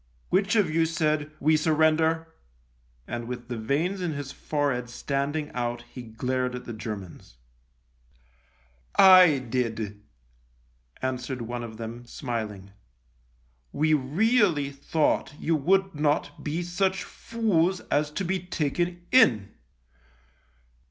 " Which of you said ' We surrender ?'" and with the veins in his forehead standing out he glared at the Germans. THE LIEUTENANT 47 " I did," answered one of them, smiling. " We really thought you would not be such fools as to be taken in."